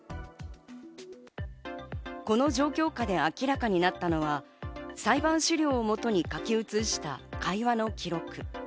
この状況下で明らかになったのは裁判資料を基に書き写した会話の記録。